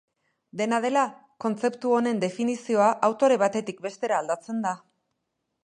Dena dela, kontzeptu honen definizioa autore batetik bestera aldatzen da.